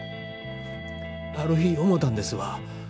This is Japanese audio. ある日思たんですわ。